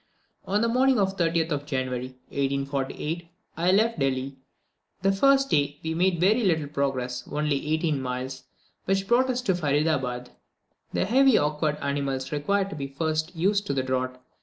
On the morning of 30th of January, 1848, I left Delhi. The first day, we made very little progress, only eighteen miles, which brought us to Faridabad; the heavy awkward animals required to be first used to the draught.